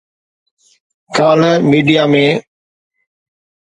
ڪالهه ميڊيا ۾